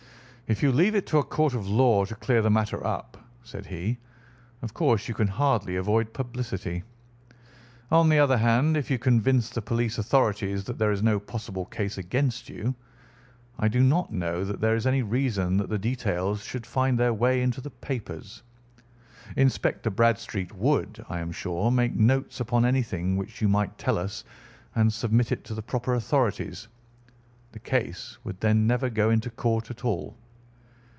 "If you leave it to a court of law to clear the matter up," said he, "of course you can hardly avoid publicity. On the other hand, if you convince the police authorities that there is no possible case against you, I do not know that there is any reason that the details should find their way into the papers. Inspector Bradstreet would, I am sure, make notes upon anything which you might tell us and submit it to the proper authorities. The case would then never go into court at all."